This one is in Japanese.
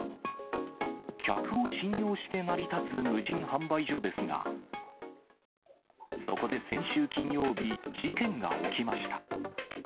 客を信用して成り立つ無人販売所ですが、そこで先週金曜日、事件が起きました。